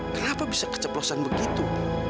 kenapa bisa keceplosan begitu